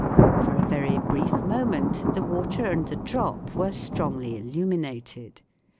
For a very brief moment the water and the drop were strongly illuminated.